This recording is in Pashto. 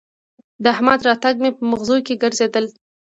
د احمد راتګ مې به مغزو کې ګرځېدل